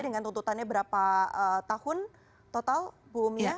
dengan tuntutannya berapa tahun total bu umia